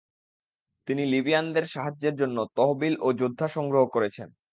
তিনি লিবিয়ানদের সাহায্যের জন্য তহবিল ও যোদ্ধা সংগ্রহ করেছেন।